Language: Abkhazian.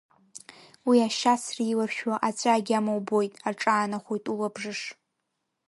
Уи ашьацра иларшәу Аҵәа агьама убоит, аҿаанахоит улабжыш.